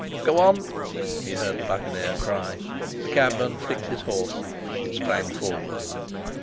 "Go on!" he heard the Buccaneer cry. The cabman flicked his horse. It sprang forward.